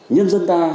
nhân dân ta